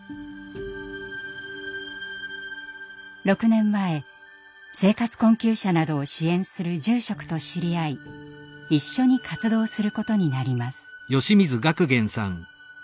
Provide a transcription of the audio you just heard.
６年前生活困窮者などを支援する住職と知り合い一緒に活動することになります。